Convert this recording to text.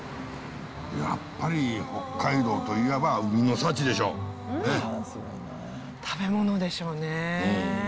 やっぱり、北海道といえば海の幸でしょう。ね？